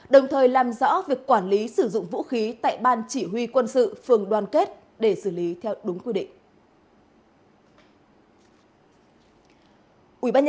đồng thời làm rõ việc quản lý sử dụng vũ khí tại ban chỉ huy quân sự phường đoàn kết để xử lý theo đúng quy định